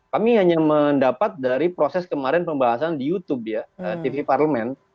kami hanya mendapat dari proses kemarin pembahasan di youtube ya tv parlemen